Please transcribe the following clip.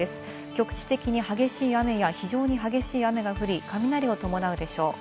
局地的に激しい雨や非常に激しい雨が降り、雷を伴うでしょう。